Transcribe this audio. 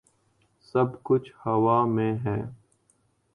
سب کچھ ہوا میں ہے۔